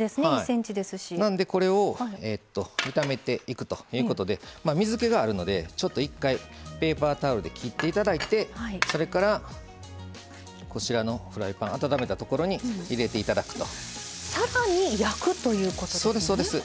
なので、これを炒めていくということで水けがあるので一回、ペーパータオルで切っていただいてそれから、こちらのフライパン温めたところにさらに焼くということですね。